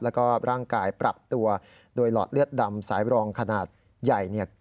แล้วก็ร่างกายปรับตัวโดยหลอดเลือดดำสายบรองขนาดใหญ่เนี่ย